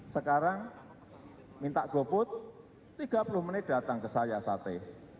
sekarang minta goput tiga puluh menit datang ke saya sate